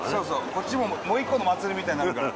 こっちももう一個の祭りみたいになるから。